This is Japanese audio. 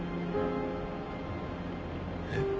えっ？